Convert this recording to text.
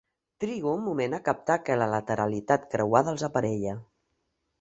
Trigo un moment a captar que la lateralitat creuada els aparella.